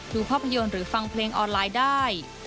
ดูพ่อประโยชน์หรือฟังเพลงออนไลน์ได้